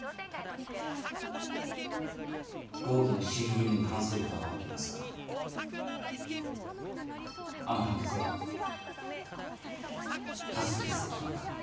合議の守秘義務に反することは分かっていますがあの判決は多数決で決まった。